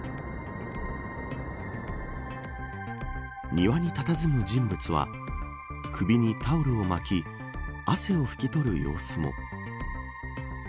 庭にたたずむ人物は首にタオルを巻き汗を拭き取る様子も。